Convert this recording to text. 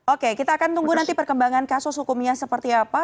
oke kita akan tunggu nanti perkembangan kasus hukumnya seperti apa